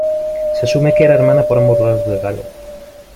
Se asume que era hermana por ambos lados de Galo.